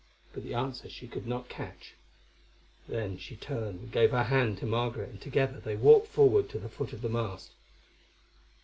but the answer she could not catch. Then she turned and gave her hand to Margaret, and together they walked forward to the foot of the mast.